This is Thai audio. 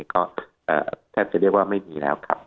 ก็แทบจะเรียกว่าไม่มีแล้วครับ